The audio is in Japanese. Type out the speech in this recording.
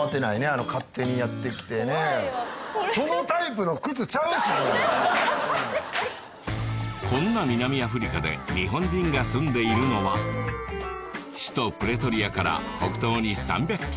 あの勝手にやってきてねこんな南アフリカで日本人が住んでいるのは首都プレトリアから北東に３００ｋｍ